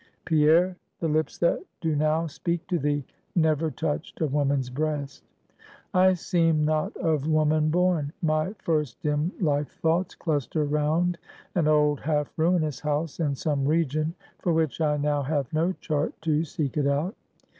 Pierre, the lips that do now speak to thee, never touched a woman's breast; I seem not of woman born. My first dim life thoughts cluster round an old, half ruinous house in some region, for which I now have no chart to seek it out.